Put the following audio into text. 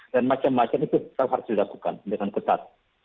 dan macam macam itu harus dilakukan dengan ketat